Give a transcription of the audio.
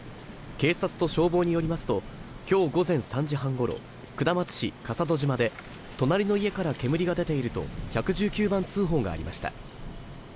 警察と消防によりますと今日午前３時半ごろ下松市笠戸島で隣の家から煙が出ていると１１９番通報がありました。